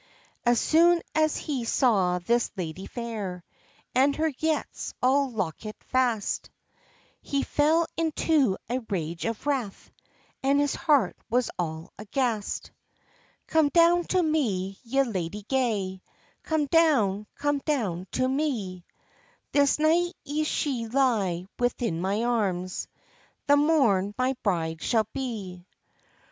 As soon as he saw this ladye fair. And her yetts all lockit fast, He fell into a rage of wrath, And his heart was all aghast. "Come down to me, ye ladye gay, Come down, come down to me; This night ye shall lye within my arms, The morn my bride shall be."